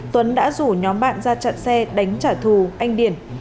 tuấn đã rủ nhóm bạn ra chặn xe đánh trả thù anh điển